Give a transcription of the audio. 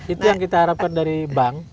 itu yang kita harapkan dari bank